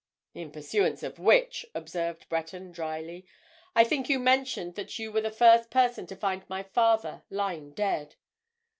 "In pursuance of which," observed Breton, drily, "I think you mentioned that you were the first person to find my father lying dead?"